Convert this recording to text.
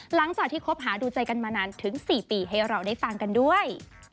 หลังจากที่คบหาดูใจกันมานานถึง๔ปีให้เราได้ฟังกันด้วย